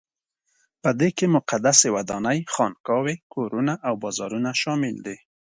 په دې کې مقدسې ودانۍ، خانقاوې، کورونه او بازارونه شامل دي.